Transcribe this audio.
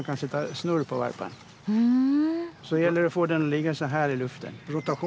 ふん。